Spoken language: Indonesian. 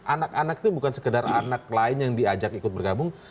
anak anak itu bukan sekedar anak lain yang diajak ikut bergabung